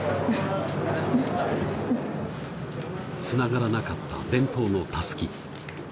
つながらなかった伝統の襷